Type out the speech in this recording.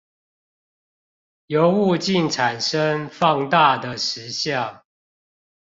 由物鏡產生放大的實像